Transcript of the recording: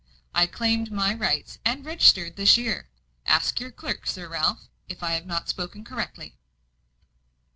I claimed my rights, and registered, this year. Ask your clerk, Sir Ralph, if I have not spoken correctly."